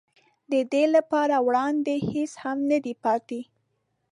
د ده لپاره وړاندې هېڅ هم نه دي پاتې.